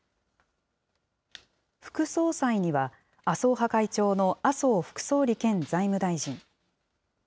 副総裁には、麻生派会長の麻生副総理兼財務大臣。